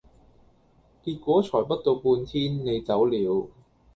結果才不到半天，你走了。